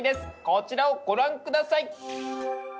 こちらをご覧下さい！